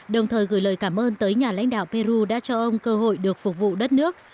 đồng thời gửi lời cảm ơn tới nhà lãnh đạo peru đã cho ông cơ hội được phục vụ đất nước